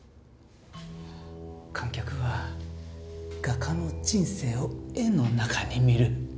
観客は画家の人生を絵の中に見る。